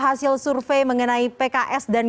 hasil survei mengenai pks dan